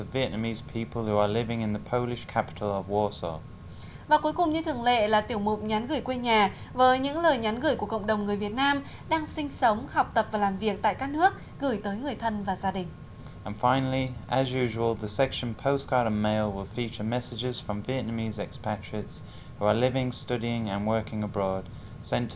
và cuối cùng như thường lệ là tiểu mục nhắn gửi quê nhà với những lời nhắn gửi của cộng đồng người việt nam đang sinh sống học tập và làm việc tại các nước gửi tới người thân và gia đình